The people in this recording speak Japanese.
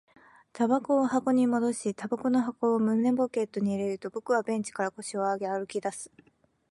煙草を箱に戻し、煙草の箱を胸ポケットに入れると、僕はベンチから腰を上げ、歩き出す